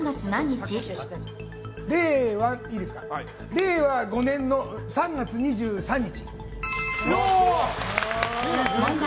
令和５年の３月２３日。